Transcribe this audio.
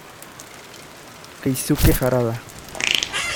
Keisuke Harada